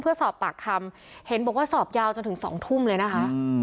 เพื่อสอบปากคำเห็นบอกว่าสอบยาวจนถึง๒ทุ่มเลยนะคะ